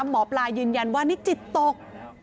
หมอปลายืนยันว่านิจิตตก